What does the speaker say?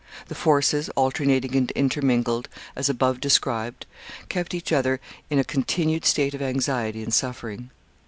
The forces, alternating and intermingled, as above described, kept each other in a continued state of anxiety and suffering.